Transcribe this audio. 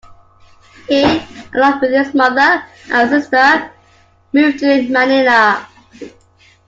He, along with his mother and sister, moved to Manila.